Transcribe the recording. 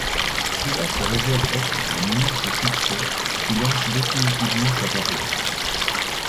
Cela se révèle être un immense succès qui lance définitivement sa carrière.